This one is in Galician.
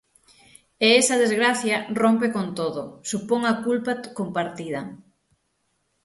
E esa desgracia rompe con todo, supón a culpa compartida.